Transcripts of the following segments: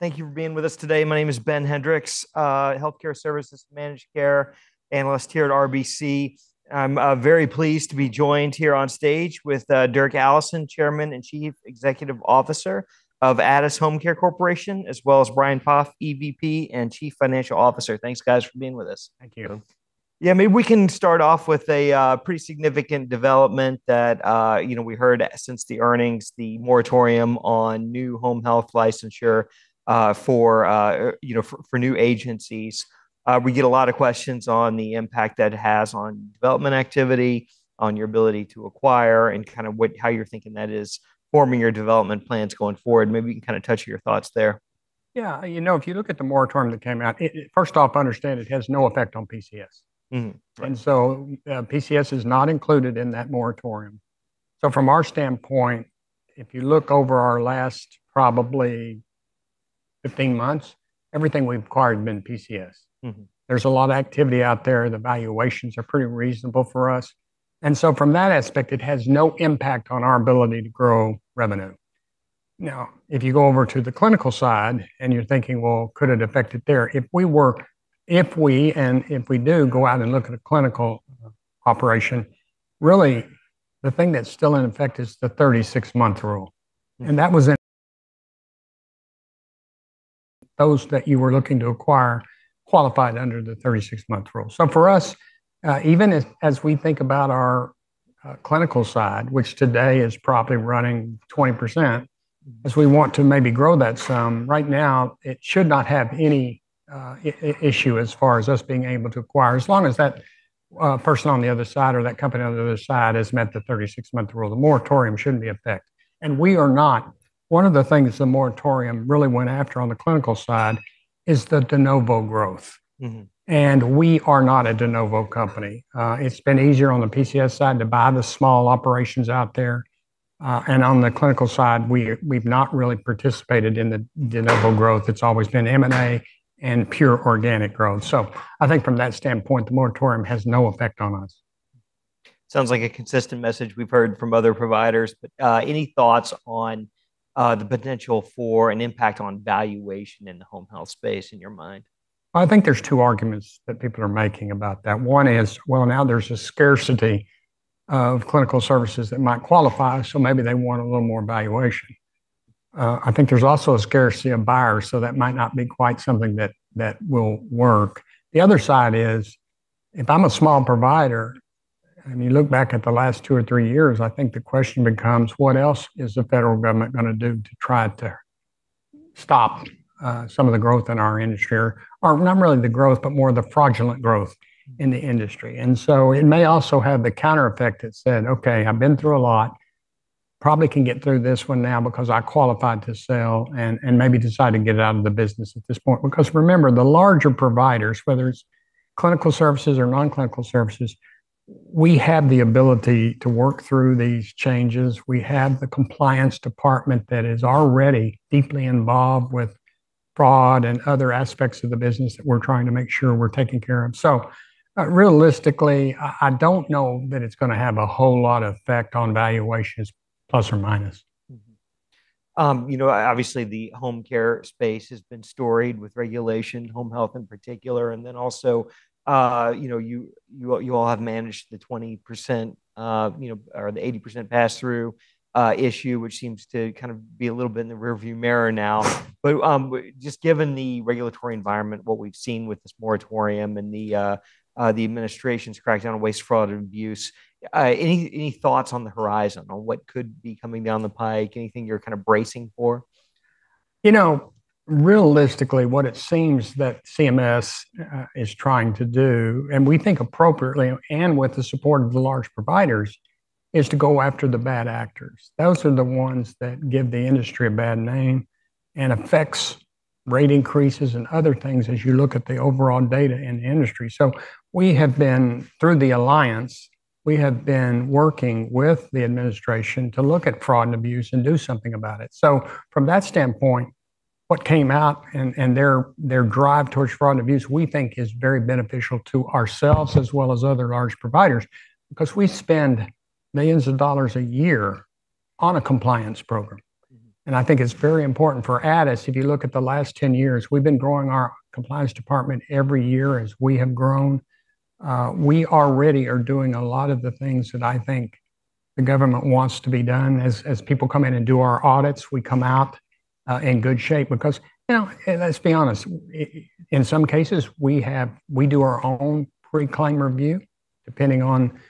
Thank you for being with us today. My name is Ben Hendrix, healthcare services managed care analyst here at RBC. I'm very pleased to be joined here on stage with Dirk Allison, Chairman and Chief Executive Officer of Addus HomeCare Corporation, as well as Brian Poff, EVP and Chief Financial Officer. Thanks, guys, for being with us. Thank you. Maybe we can start off with a pretty significant development that, you know, we heard since the earnings, the moratorium on new Home Health licensure, for, you know, for new agencies. We get a lot of questions on the impact that it has on development activity, on your ability to acquire, and kind of how you're thinking that is forming your development plans going forward. Maybe you can kinda touch on your thoughts there. Yeah, you know, if you look at the moratorium that came out, first off, understand it has no effect on PCS. Mm-hmm. Right. PCS is not included in that moratorium. From our standpoint, if you look over our last probably 15 months, everything we've acquired has been PCS. There's a lot of activity out there. The valuations are pretty reasonable for us. From that aspect, it has no impact on our ability to grow revenue. Now, if you go over to the clinical side and you're thinking, well, could it affect it there? If we do go out and look at a clinical operation, really the thing that's still in effect is the 36-month rule. That was in those that you were looking to acquire qualified under the 36-month rule. For us, even as we think about our clinical side, which today is probably running 20%- As we want to maybe grow that some, right now it should not have any issue as far as us being able to acquire. As long as that person on the other side or that company on the other side has met the 36-month rule, the moratorium shouldn't be affected. We are not. One of the things the moratorium really went after on the clinical side is the de novo growth. We are not a de novo company. It's been easier on the PCS side to buy the small operations out there. On the clinical side, we've not really participated in the de novo growth. It's always been M&A and pure organic growth. I think from that standpoint, the moratorium has no effect on us. Sounds like a consistent message we've heard from other providers. Any thoughts on the potential for an impact on valuation in the Home Health space in your mind? I think there's two arguments that people are making about that. One is, well, now there's a scarcity of clinical services that might qualify, so maybe they want a little more valuation. I think there's also a scarcity of buyers, so that might not be quite something that will work. The other side is, if I'm a small provider, and you look back at the last two or three years, I think the question becomes: What else is the federal government gonna do to try to stop some of the growth in our industry? Not really the growth, but more the fraudulent growth in the industry. It may also have the counter effect that said, Okay, I've been through a lot, probably can get through this one now because I qualified to sell, and maybe decide to get out of the business at this point. Remember, the larger providers, whether it's clinical services or non-clinical services, we have the ability to work through these changes. We have the compliance department that is already deeply involved with fraud and other aspects of the business that we're trying to make sure we're taking care of. Realistically, I don't know that it's gonna have a whole lot of effect on valuations, plus or minus. You know, obviously, the Home Care space has been storied with regulation, Home Health in particular. You know, you, you all have managed the 20%, you know, or the 80% pass-through issue, which seems to kind of be a little bit in the rearview mirror now. Just given the regulatory environment, what we've seen with this moratorium and the administration's crackdown on waste, fraud, and abuse, any thoughts on the horizon on what could be coming down the pike? Anything you're kind of bracing for? You know, realistically, what it seems that CMS is trying to do, and we think appropriately and with the support of the large providers, is to go after the bad actors. Those are the ones that give the industry a bad name and affects rate increases and other things as you look at the overall data in the industry. We have been, through the Alliance, we have been working with the administration to look at fraud and abuse and do something about it. From that standpoint, what came out and their drive towards fraud and abuse, we think is very beneficial to ourselves as well as other large providers, because we spend millions of dollars a year on a compliance program. I think it's very important for Addus, if you look at the last 10 years, we've been growing our compliance department every year as we have grown. We already are doing a lot of the things that I think the government wants to be done. As people come in and do our audits, we come out in good shape because, you know, let's be honest, in some cases, we do our own claim review, depending on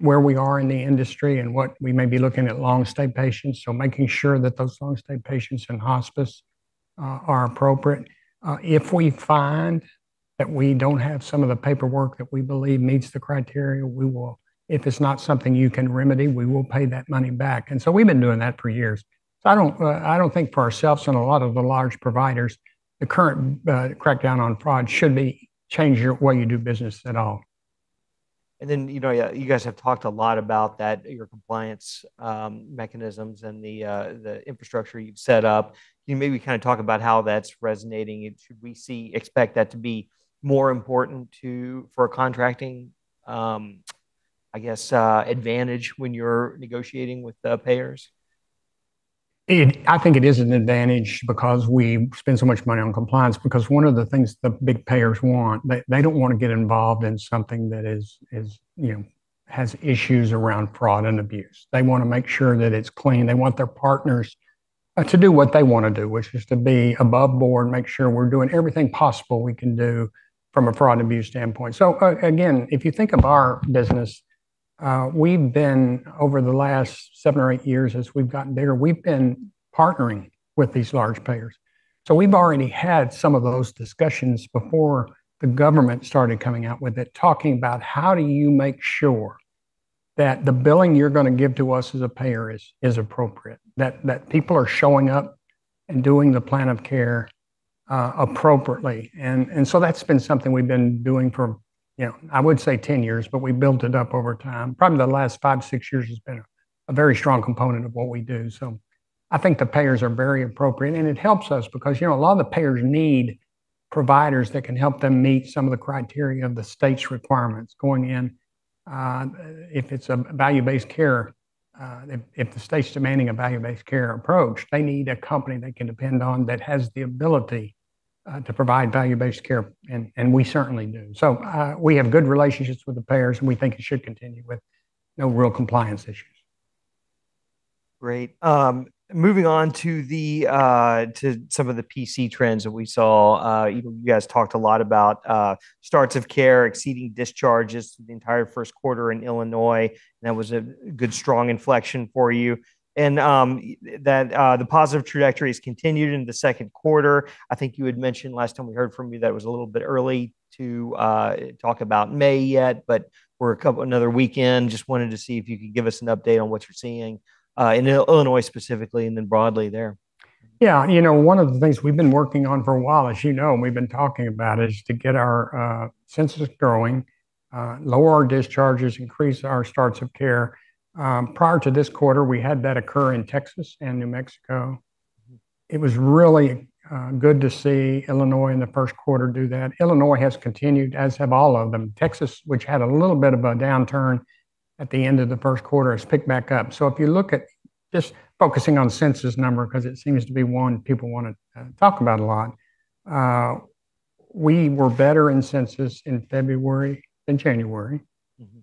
where we are in the industry and what we may be looking at long-stay patients. Making sure that those long-stay patients in hospice are appropriate. If we find that we don't have some of the paperwork that we believe meets the criteria, we will, if it's not something you can remedy, we will pay that money back. We've been doing that for years. I don't think for ourselves and a lot of the large providers, the current crackdown on fraud should change your way you do business at all. You know, you guys have talked a lot about that, your compliance, mechanisms and the infrastructure you've set up. Can you maybe kinda talk about how that's resonating? Should we see, expect that to be more important to, for contracting, I guess, advantage when you're negotiating with the payers? I think it is an advantage because we spend so much money on compliance because one of the things the big payers want, they don't wanna get involved in something that is, you know, has issues around fraud and abuse. They wanna make sure that it's clean. They want their partners to do what they wanna do, which is to be above board, make sure we're doing everything possible we can do from a fraud and abuse standpoint. Again, if you think of our business, we've been over the last seven or eight years as we've gotten bigger, we've been partnering with these large payers. We've already had some of those discussions before the government started coming out with it, talking about how do you make sure that the billing you're gonna give to us as a payer is appropriate, that people are showing up and doing the plan of care appropriately. That's been something we've been doing for, you know, I would say 10 years, but we built it up over time. Probably the last five, six years has been a very strong component of what we do. I think the payers are very appropriate, and it helps us because, you know, a lot of the payers need providers that can help them meet some of the criteria of the state's requirements going in. If it's a value-based care, if the state's demanding a value-based care approach, they need a company they can depend on that has the ability to provide value-based care, and we certainly do. We have good relationships with the payers, and we think it should continue with no real compliance issues. Great. Moving on to some of the PCS trends that we saw, you guys talked a lot about starts of care exceeding discharges the entire first quarter in Illinois, and that was a good, strong inflection for you. That the positive trajectory has continued into the second quarter. I think you had mentioned last time we heard from you that it was a little bit early to talk about May yet, but another weekend. Just wanted to see if you could give us an update on what you're seeing in Illinois specifically and then broadly there. Yeah. You know, one of the things we've been working on for a while, as you know, and we've been talking about, is to get our census growing, lower our discharges, increase our starts of care. Prior to this quarter, we had that occur in Texas and New Mexico. It was really good to see Illinois in the first quarter do that. Illinois has continued, as have all of them. Texas, which had a little bit of a downturn at the end of the first quarter, has picked back up. If you look at just focusing on census number, because it seems to be one people wanna talk about a lot, we were better in census in February than January.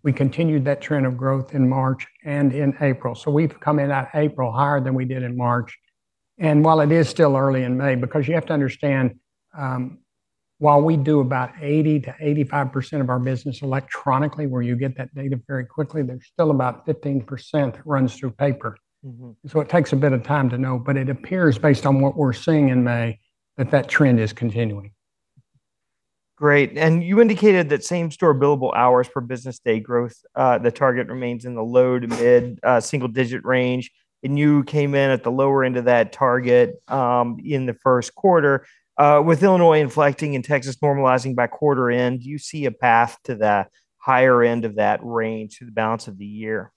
We continued that trend of growth in March and in April. We've come in at April higher than we did in March. While it is still early in May, because you have to understand, while we do about 80%-85% of our business electronically, where you get that data very quickly, there's still about 15% runs through paper. It takes a bit of time to know, but it appears based on what we're seeing in May that that trend is continuing. Great. You indicated that same-store billable hours for business day growth, the target remains in the low to mid single digit range, and you came in at the lower end of that target, in the first quarter. With Illinois inflecting and Texas normalizing by quarter end, do you see a path to that higher end of that range through the balance of the year?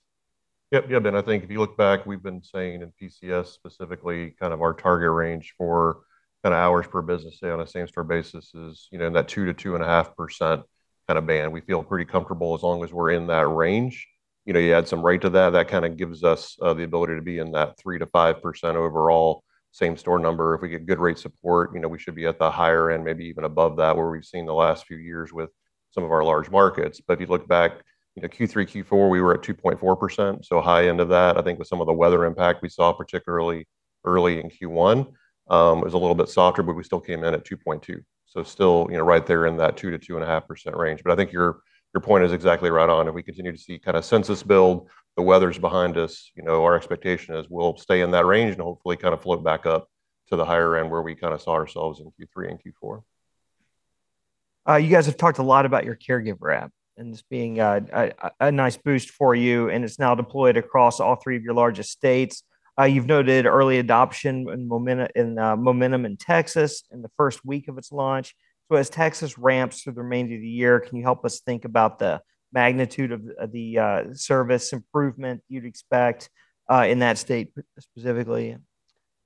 Yep. Yeah, Ben, I think if you look back, we've been saying in PCS specifically, kind of our target range for kinda hours per business day on a same-store basis is, you know, in that 2%-2.5% kinda band. We feel pretty comfortable as long as we're in that range. You know, you add some rate to that kinda gives us the ability to be in that 3%-5% overall same-store number. If we get good rate support, you know, we should be at the higher end, maybe even above that, where we've seen the last few years with some of our large markets. If you look back, you know, Q3, Q4, we were at 2.4%, so high end of that. I think with some of the weather impact we saw, particularly early in Q1, it was a little bit softer, but we still came in at 2.2%. Still, you know, right there in that 2%-2.5% range. I think your point is exactly right on, and we continue to see kinda census build. The weather's behind us. You know, our expectation is we'll stay in that range and hopefully kinda float back up to the higher end where we kinda saw ourselves in Q3 and Q4. You guys have talked a lot about your caregiver app and this being a nice boost for you, and it's now deployed across all three of your largest states. You've noted early adoption and momentum in Texas in the first week of its launch. As Texas ramps through the remainder of the year, can you help us think about the magnitude of the service improvement you'd expect in that state specifically?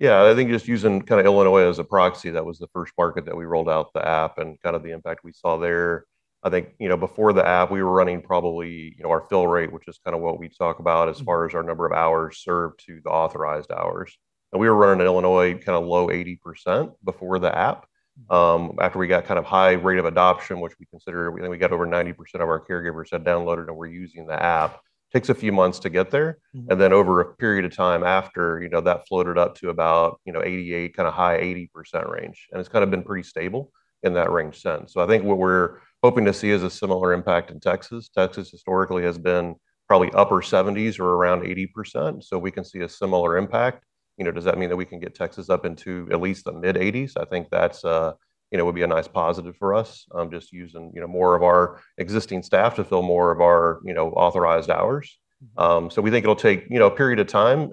I think just using kind of Illinois as a proxy, that was the first market that we rolled out the app and kind of the impact we saw there. I think, you know, before the app, we were running probably, you know, our fill rate, which is kind of what we talk about as far as our number of hours served to the authorized hours. We were running Illinois kind of low 80% before the app. After we got kind of high rate of adoption, which we consider, I think we got over 90% of our caregivers had downloaded and were using the app. Takes a few months to get there. Over a period of time after, you know, that floated up to about, you know, 88%, kinda high 80% range. It's kinda been pretty stable in that range since. I think what we're hoping to see is a similar impact in Texas. Texas historically has been probably upper 70%s or around 80%, so we can see a similar impact. You know, does that mean that we can get Texas up into at least the mid-80%s? I think that's, you know, would be a nice positive for us, just using, you know, more of our existing staff to fill more of our, you know, authorized hours. We think it'll take, you know, a period of time.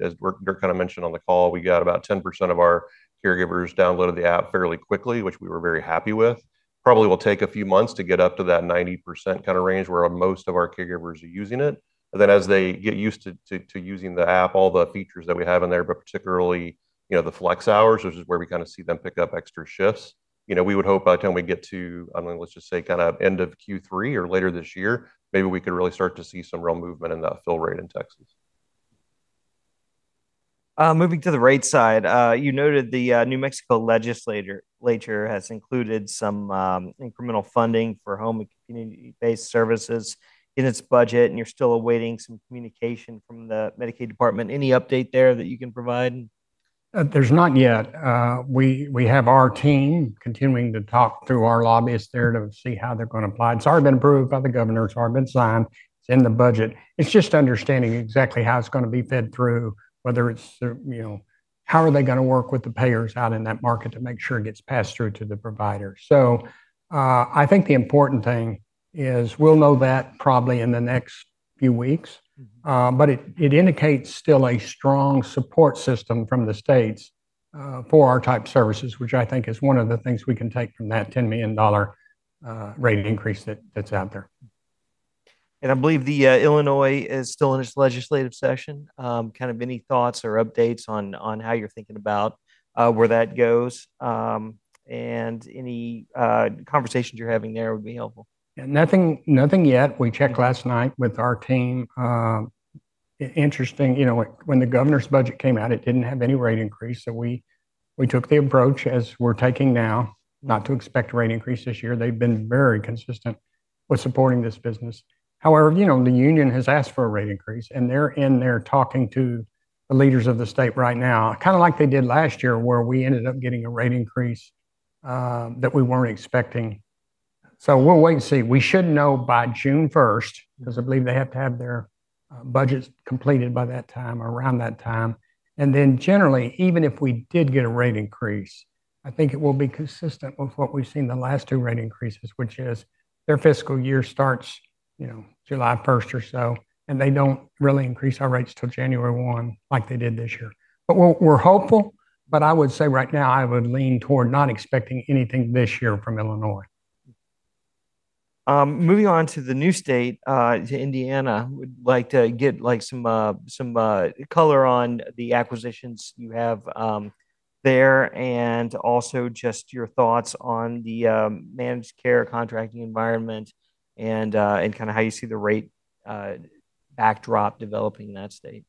As Dirk kinda mentioned on the call, we got about 10% of our caregivers downloaded the app fairly quickly, which we were very happy with. Probably will take a few months to get up to that 90% kinda range where most of our caregivers are using it. As they get used to using the app, all the features that we have in there, but particularly You know, the flex hours, which is where we kind of see them pick up extra shifts. You know, we would hope by the time we get to, I mean, let's just say kind of end of Q3 or later this year, maybe we could really start to see some real movement in that fill rate in Texas. Moving to the rate side, you noted the New Mexico legislature has included some incremental funding for home and community-based services in its budget, and you're still awaiting some communication from the Medicaid department. Any update there that you can provide? There's none yet. We have our team continuing to talk through our lobbyists there to see how they're gonna apply it. It's already been approved by the governor. It's already been signed. It's in the budget. It's just understanding exactly how it's gonna be fed through, whether it's, you know, how are they gonna work with the payers out in that market to make sure it gets passed through to the provider. I think the important thing is we'll know that probably in the next few weeks. It indicates still a strong support system from the states, for our type services, which I think is one of the things we can take from that $10 million rate increase that's out there. I believe the, Illinois is still in its legislative session. kind of any thoughts or updates on how you're thinking about, where that goes, and any, conversations you're having there would be helpful. Nothing yet. We checked last night with our team. Interesting, you know, when the governor's budget came out, it didn't have any rate increase, so we took the approach as we're taking now not to expect a rate increase this year. They've been very consistent with supporting this business. However, you know, the union has asked for a rate increase, and they're in there talking to the leaders of the state right now, kinda like they did last year, where we ended up getting a rate increase that we weren't expecting. We'll wait and see. We should know by June 1st, because I believe they have to have their budgets completed by that time or around that time. Generally, even if we did get a rate increase, I think it will be consistent with what we've seen the last two rate increases, which is their fiscal year starts, you know, July 1st or so, and they don't really increase our rates till January 1 like they did this year. We're hopeful, but I would say right now I would lean toward not expecting anything this year from Illinois. Moving on to the new state, to Indiana, would like to get, like, some color on the acquisitions you have there and also just your thoughts on the managed care contracting environment and kinda how you see the rate backdrop developing in that state.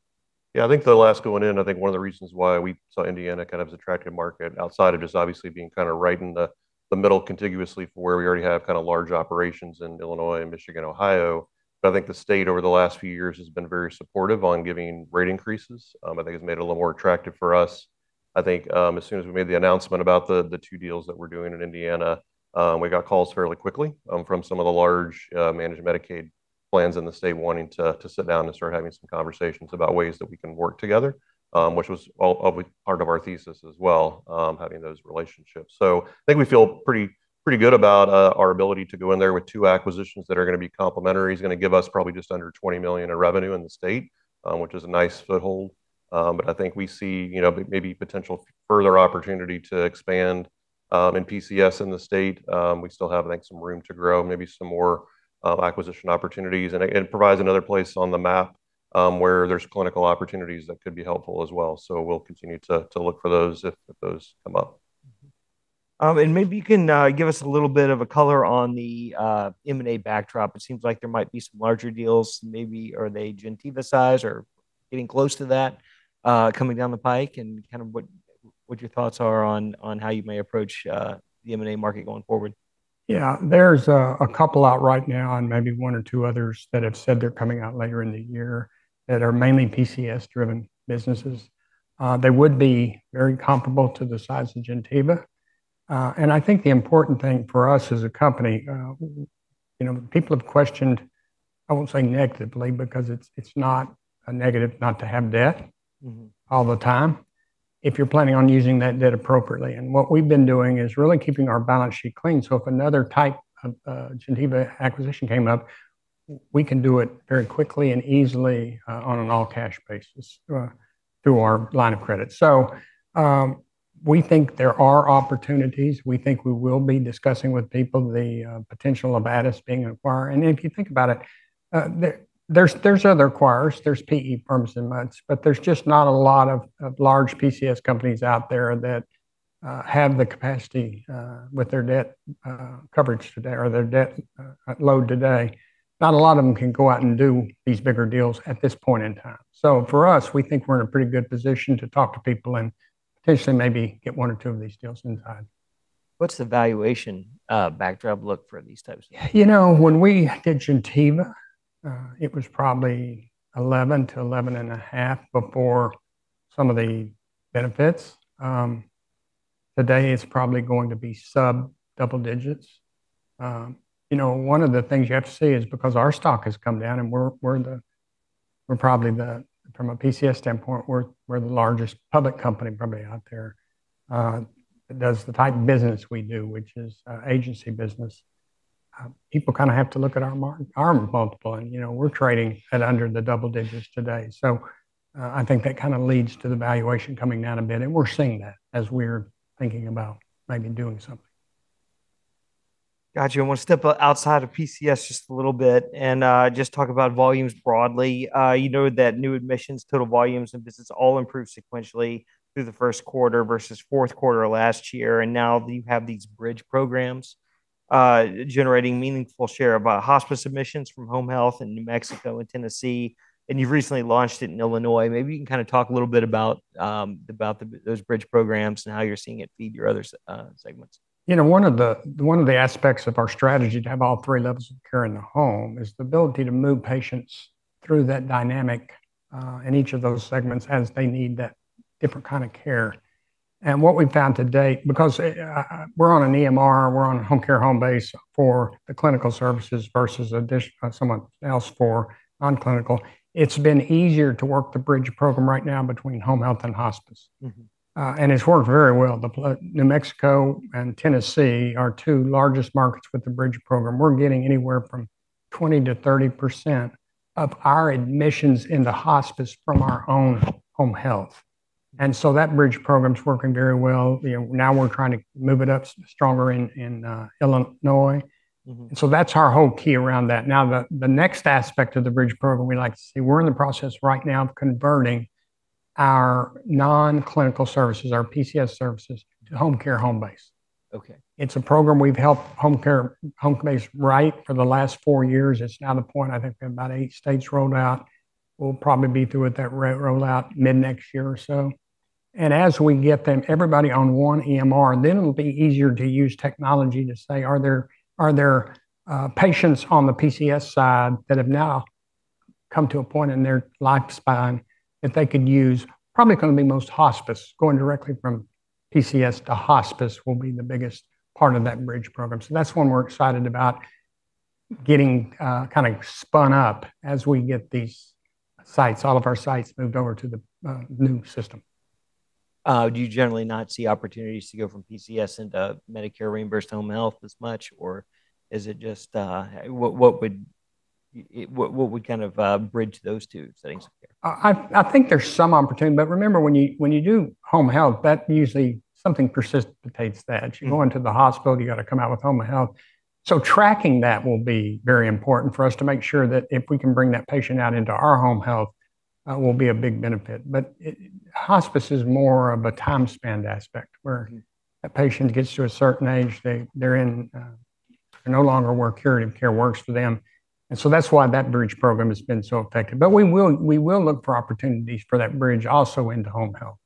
I think the last going in, I think one of the reasons why we saw Indiana kind of as attractive market outside of just obviously being kinda right in the middle contiguously for where we already have kinda large operations in Illinois and Michigan, Ohio. I think the state over the last few years has been very supportive on giving rate increases. I think it's made it a little more attractive for us. I think, as soon as we made the announcement about the two deals that we're doing in Indiana, we got calls fairly quickly from some of the large Managed Medicaid plans in the state wanting to sit down and start having some conversations about ways that we can work together, which was all part of our thesis as well, having those relationships. I think we feel pretty good about our ability to go in there with two acquisitions that are gonna be complementary. It's gonna give us probably just under $20 million in revenue in the state, which is a nice foothold. I think we see, you know, maybe potential further opportunity to expand in PCS in the state. We still have, I think, some room to grow, maybe some more acquisition opportunities. It provides another place on the map, where there's clinical opportunities that could be helpful as well. We'll continue to look for those if those come up. Maybe you can give us a little bit of a color on the M&A backdrop. It seems like there might be some larger deals, maybe are they Gentiva size or getting close to that coming down the pike? What your thoughts are on how you may approach the M&A market going forward. Yeah, there's a couple out right now and maybe one or two others that have said they're coming out later in the year that are mainly PCS-driven businesses. They would be very comparable to the size of Gentiva. I think the important thing for us as a company, you know, people have questioned, I won't say negatively because it's not a negative not to have debt all the time if you're planning on using that debt appropriately. What we've been doing is really keeping our balance sheet clean. If another type of Gentiva acquisition came up, we can do it very quickly and easily on an all-cash basis through our line of credit. We think there are opportunities. We think we will be discussing with people the potential of Addus being an acquirer. If you think about it, there's other acquirers, there's PE firms and such, but there's just not a lot of large PCS companies out there that have the capacity with their debt coverage today or their debt load today. Not a lot of them can go out and do these bigger deals at this point in time. For us, we think we're in a pretty good position to talk to people and potentially maybe get one or two of these deals done. What's the valuation backdrop look for these types of deals? You know, when we did Gentiva, it was probably 11-11.5 before some of the benefits. Today it's probably going to be sub double digits. You know, one of the things you have to see is because our stock has come down and we're probably the, from a PCS standpoint, we're the largest public company probably out there that does the type of business we do, which is agency business. People kinda have to look at our multiple and, you know, we're trading at under the double digits today. I think that kinda leads to the valuation coming down a bit, and we're seeing that as we're thinking about maybe doing something. Gotcha. I wanna step outside of PCS just a little bit and just talk about volumes broadly. You know that new admissions, total volumes, and business all improved sequentially through the first quarter versus fourth quarter last year, and now that you have these Bridge Programs generating meaningful share about hospice admissions from Home Health in New Mexico and Tennessee, and you've recently launched it in Illinois. Maybe you can kinda talk a little bit about those Bridge Programs and how you're seeing it feed your other segments. You know, one of the aspects of our strategy to have all three levels of care in the home is the ability to move patients through that dynamic in each of those segments as they need that different kind of care. What we've found to date, because we're on an EMR, we're on Homecare Homebase for the clinical services versus someone else for non-clinical, it's been easier to work the Bridge Program right now between Home Health and hospice. It's worked very well. The New Mexico and Tennessee are two largest markets with the Bridge Program. We're getting anywhere from 20%-30% of our admissions into hospice from our own Home Health. That Bridge Program's working very well. You know, now we're trying to move it up stronger in Illinois. That's our whole key around that. Now, the next aspect of the Bridge Program we'd like to see, we're in the process right now of converting our non-clinical services, our PCS services, to Homecare Homebase. Okay. It's a program we've helped Homecare Homebase write for the last four years. It's now the point, I think about eight states rolled out. We'll probably be through with that rollout mid-next year or so. As we get them, everybody on one EMR, then it'll be easier to use technology to say, are there patients on the PCS side that have now come to a point in their lifespan that they could use? Probably gonna be most hospice. Going directly from PCS to hospice will be the biggest part of that Bridge Program. That's one we're excited about getting kind of spun up as we get these sites, all of our sites moved over to the new system. Do you generally not see opportunities to go from PCS into Medicare reimbursed Home Health as much, or is it just what would kind of bridge those two settings of care? I think there's some opportunity. Remember, when you do Home Health, that usually something precipitates that. You gotta come out with Home Health. Tracking that will be very important for us to make sure that if we can bring that patient out into our Home Health will be a big benefit. Hospice is more of a time spanned aspect. A patient gets to a certain age, they're in no longer where curative care works for them. That's why that Bridge Program has been so effective. We will look for opportunities for that bridge also into Home Health.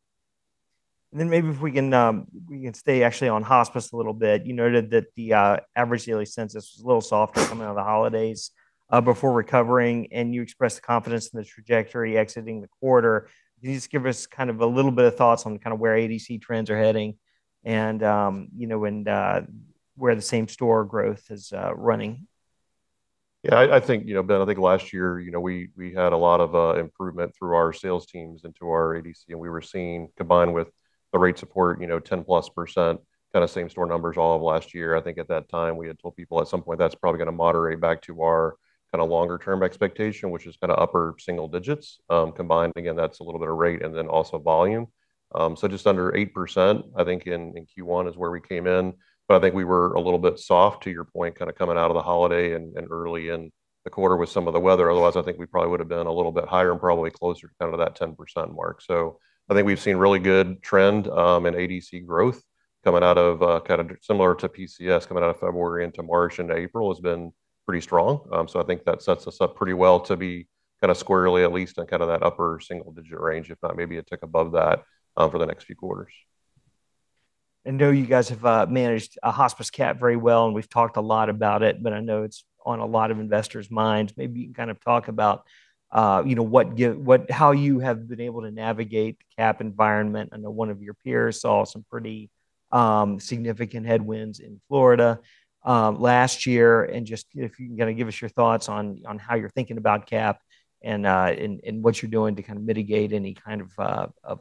Maybe if we can, we can stay actually on hospice a little bit. You noted that the average daily census was a little softer coming out of the holidays before recovering, and you expressed confidence in the trajectory exiting the quarter. Can you just give us a little bit of thoughts on kind of where ADC trends are heading, you know, where the same-store growth is running? Yeah, I think, you know, Ben, I think last year, you know, we had a lot of improvement through our sales teams into our ADC, and we were seeing, combined with the rate support, you know, 10%+ kinda same-store numbers all of last year. I think at that time, we had told people at some point that's probably gonna moderate back to our kinda longer term expectation, which is kinda upper single digits. Combined, again, that's a little bit of rate and then also volume. Just under 8%, I think in Q1 is where we came in. I think we were a little bit soft, to your point, kinda coming out of the holiday and early in the quarter with some of the weather. Otherwise, I think we probably would've been a little bit higher and probably closer to kind of that 10% mark. I think we've seen really good trend in ADC growth coming out of kinda similar to PCS coming out of February into March and April has been pretty strong. I think that sets us up pretty well to be kinda squarely at least in kinda that upper single-digit range, if not maybe a tick above that, for the next few quarters. I know you guys have managed a hospice cap very well, and we've talked a lot about it, but I know it's on a lot of investors' minds. Maybe you can kind of talk about how you have been able to navigate the cap environment. I know one of your peers saw some pretty significant headwinds in Florida last year. Just if you can kinda give us your thoughts on how you're thinking about cap and what you're doing to kind of mitigate any kind of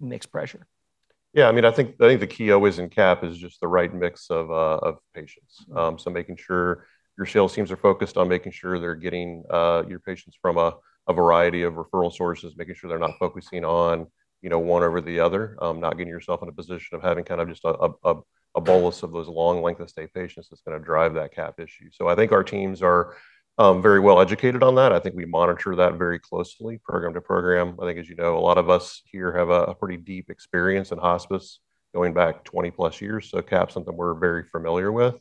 mixed pressure. Yeah, I mean, I think the key always in cap is just the right mix of patients. Making sure your sales teams are focused on making sure they're getting your patients from a variety of referral sources, making sure they're not focusing on, you know, one over the other, not getting yourself in a position of having kind of just a bolus of those long length of stay patients that's gonna drive that cap issue. I think our teams are very well educated on that. I think we monitor that very closely program to program. I think, as you know, a lot of us here have a pretty deep experience in hospice going back 20+ years. Cap's something we're very familiar with.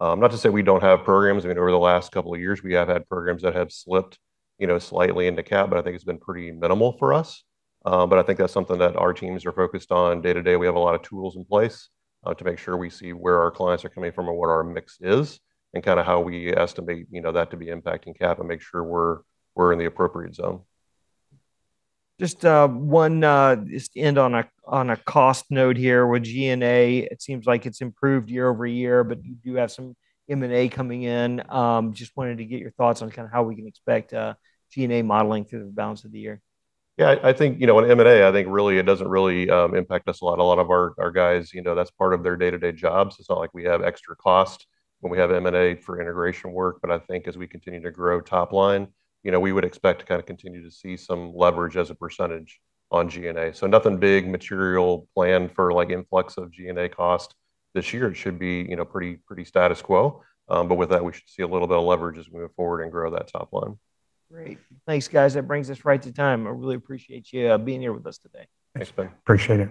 Not to say we don't have programs. I mean, over the last couple of years, we have had programs that have slipped, you know, slightly into Cap, but I think it's been pretty minimal for us. I think that's something that our teams are focused on day-to-day. We have a lot of tools in place to make sure we see where our clients are coming from and what our mix is and kinda how we estimate, you know, that to be impacting Cap and make sure we're in the appropriate zone. Just one, just to end on a, on a cost note here with G&A. It seems like it's improved year-over-year, but you do have some M&A coming in. Just wanted to get your thoughts on kind of how we can expect G&A modeling through the balance of the year. Yeah, I think, you know, on M&A, I think really it doesn't really impact us a lot. A lot of our guys, you know, that's part of their day-to-day jobs. It's not like we have extra cost when we have M&A for integration work. I think as we continue to grow top line, you know, we would expect to kind of continue to see some leverage as a percentage on G&A. Nothing big, material plan for, like, influx of G&A cost this year. It should be, you know, pretty status quo. With that, we should see a little bit of leverage as we move forward and grow that top line. Great. Thanks, guys. That brings us right to time. I really appreciate you being here with us today. Thanks, Ben. Appreciate it.